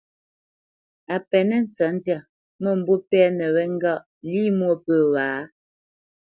A penə́ ntsətndyâ, mə̂mbû pɛ́nə wé ŋgâʼ lî mwô pə̂ wǎ?